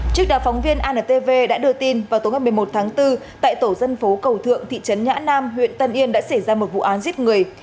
trước đó phóng viên antv đã đưa tin vào tối một mươi một tháng bốn tại tổ dân phố cầu thượng thị trấn nhã nam huyện tân yên đã xảy ra một vụ án giết người